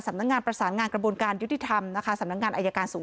สำนงานประสางการกระบูลการยุทิธรรมนะคะสำนงานอยกร